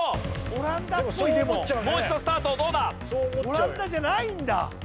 オランダじゃないんだ。